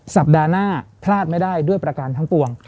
สัปดาห์หน้าพลาดไม่ได้ด้วยประการทั้งปวง